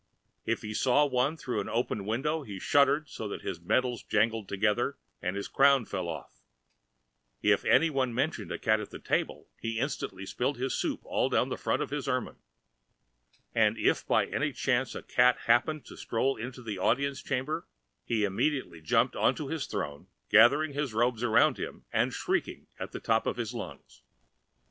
If he saw one through an open window he shuddered so that his medals jangled together and his crown fell off; if any one mentioned a cat at the table he instantly spilled his soup all down the front of his ermine; and if by any chance a cat happened to stroll into the audience chamber, he immediately jumped on to his throne, gathering his robes around him and shrieking at the top of his lungs.